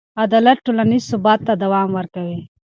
عدالت ټولنیز ثبات ته دوام ورکوي.